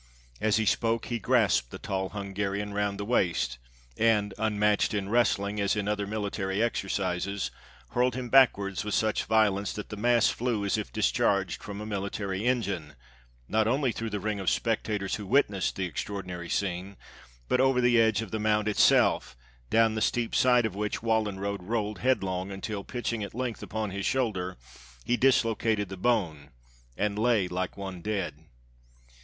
As he spoke, he grasped the tall Hungarian round the waist, and, unmatched in wrestling, as in other military exercises, hurled him backwards with such violence that the mass flew as if discharged from a military engine, not only through the ring of spectators who witnessed the extraordinary scene, but over the edge of the mount itself, down the steep side of which Wallenrode rolled headlong, until, pitching at length upon his shoulder, he dislocated the bone, and lay like one dead.